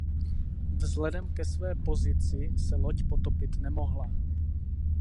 Vzhledem ke své pozici se loď potopit nemohla.